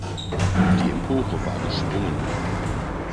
Die Empore war geschwungen.